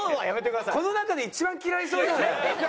この中で一番嫌いそうじゃない？